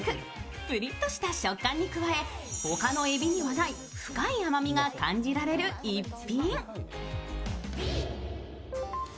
ぷりっとした食感に加え他のえびにはない深い甘みが感じられる逸品。